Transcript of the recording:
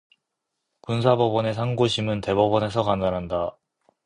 군사법원의 상고심은 대법원에서 관할한다.